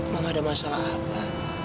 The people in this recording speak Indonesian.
mama ada masalah apa